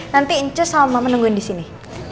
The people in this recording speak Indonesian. nanti ncus sama mama nungguin di sini